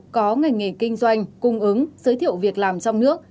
có ngành nghề kinh doanh cung ứng giới thiệu việc làm trong nước